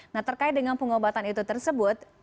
nah terkait dengan pengobatan itu tersebut